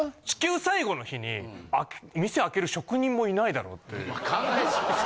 地球最後の日に店開ける職人もいないだろうって。